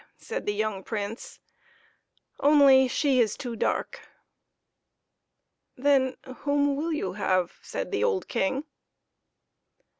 said the young Prince, " only she is too dark." " Then who will you have ?" said the old King.